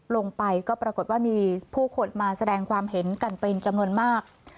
ลงไปก็ปรากฏว่ามีผู้คนมาแสดงความเห็นกันเป็นจำนวนมาก